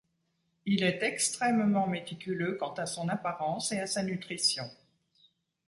Il est extrêmement méticuleux quant à son apparence et à sa nutrition.